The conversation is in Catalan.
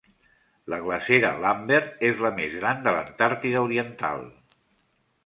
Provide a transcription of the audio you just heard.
La glacera Lambert és la més gran de l'Antàrtida Oriental.